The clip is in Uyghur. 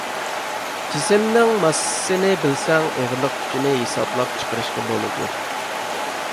جىسىمنىڭ ماسسىسىنى بىلسەك ئېغىرلىق كۈچىنى ھېسابلاپ چىقىرىشقا بولىدۇ.